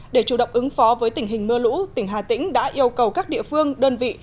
để chủ động ứng phó với tình hình mưa lũ tỉnh hà tĩnh đã yêu cầu các địa phương đơn vị